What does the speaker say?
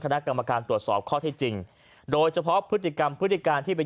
คณะกรรมการตรวจสอบข้อที่จริงโดยเฉพาะพฤติกรรมพฤติการที่เป็น